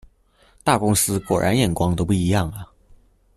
大公司果然眼光都不一樣啊！